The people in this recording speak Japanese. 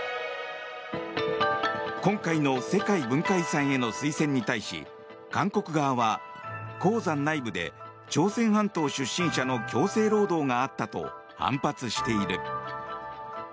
今回の世界文化遺産への推薦に対し韓国側は鉱山内部で朝鮮半島出身者の強制労働があったと反発している。